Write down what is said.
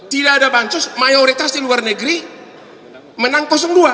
tidak ada pansus mayoritas di luar negeri menang dua